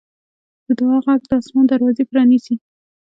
د دعا غږ د اسمان دروازې پرانیزي.